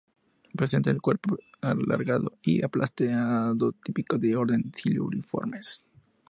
Presentan el cuerpo alargado y aplastado típico del orden Siluriformes.